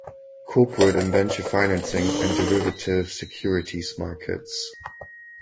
Corporate and venture financing and derivative securities markets